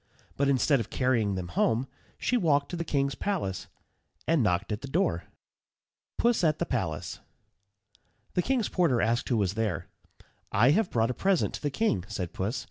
But instead of carrying them home she walked to the king's palace and knocked at the door. PUSS AT THE PALACE. The king's porter asked who was there. "I have brought a present to the king," said Puss.